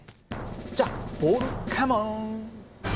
じゃあボールカモン！